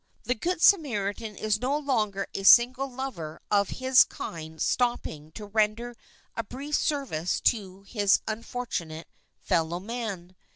The Good Samaritan is no longer a single lover of his kind stopping to render a brief service to his un fortunate fellow man.